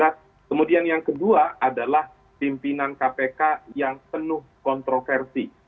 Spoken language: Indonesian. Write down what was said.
kemudian yang kedua adalah pimpinan kpk yang penuh kontroversi